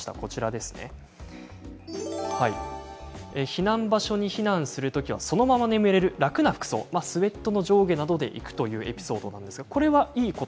避難場所に避難するときそのまま眠れる楽な服装スエットの上下などで行くといいというエピソードです。